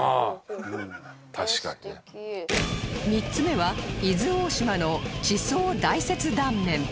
３つ目は伊豆大島の地層大切断面